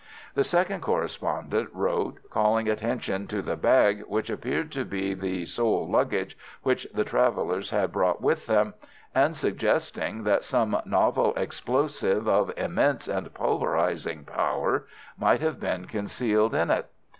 The second correspondent wrote calling attention to the bag which appeared to be the sole luggage which the travellers had brought with them, and suggesting that some novel explosive of immense and pulverizing power might have been concealed in it.